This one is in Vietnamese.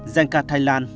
danh ca thanh lan